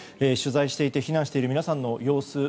取材していて避難している皆さんの様子